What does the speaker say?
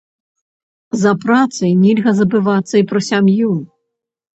За працай нельга забывацца і пра сям'ю.